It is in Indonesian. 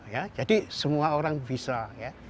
ya jadi semua orang bisa ya